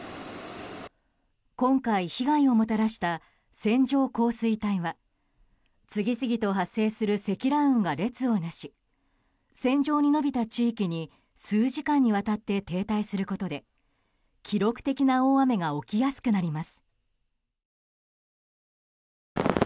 今回、被害をもたらした線状降水帯は次々と発生する積乱雲が列をなし線状に延びた地域に数時間にわたって停滞することで記録的な大雨が起きやすくなります。